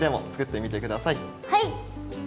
はい！